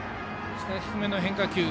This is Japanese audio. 低めの変化球。